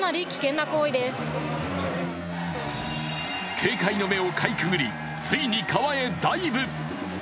警戒の目をかいくぐり、ついに川へダイブ。